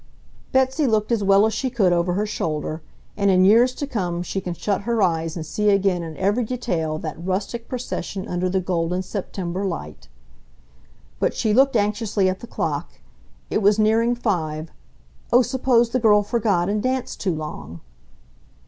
Betsy looked as well as she could over her shoulder ... and in years to come she can shut her eyes and see again in every detail that rustic procession under the golden, September light. But she looked anxiously at the clock. It was nearing five. Oh, suppose the girl forgot and danced too long!